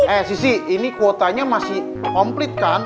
eh sisi ini kuotanya masih komplit kan